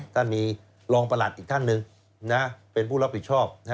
ท่านมีรองประหลัดอีกท่านหนึ่งเป็นผู้รับผิดชอบ